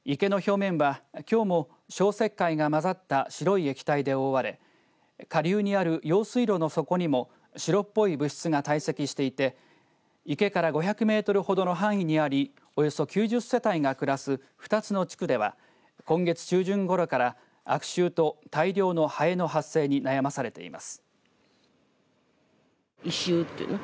池の表面は、きょうも消石灰が混ざった白い液体で覆われ下流にある用水路の底にも白っぽい物質が堆積していて池から５００メートルほどの範囲にありおよそ９０世帯が暮らす２つの地区では今月中旬ごろから悪臭と大量のハエの発生に悩まされています。